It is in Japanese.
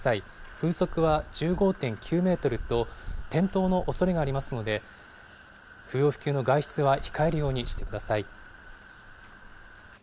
風速は１５．９メートルと、転倒のおそれがありますので、不要不急の外出は控えるようにしてください。